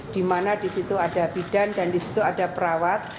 dimana disitu ada bidan dan disitu ada perawat